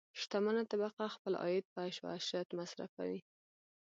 شتمنه طبقه خپل عاید په عیش او عشرت مصرفوي.